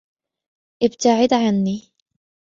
ابتعد عني.